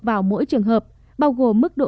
vào mỗi trường hợp bao gồm mức độ